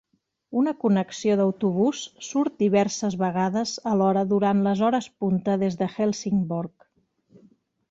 Una connexió d'autobús surt diverses vegades a l'hora durant les hores punta des d'Helsingborg.